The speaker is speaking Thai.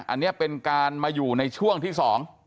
อันนี้เป็นการมาอยู่ในช่วงที่๒